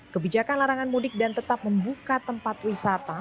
kebijakan larangan mudik dan tetap membuka tempat wisata